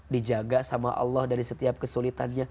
dijaga sama allah dari setiap kesulitannya